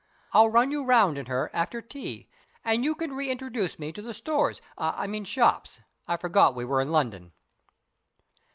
I'll run you round in her after tea, and you can reintroduce me to the stores I mean shops; I forgot we were in London."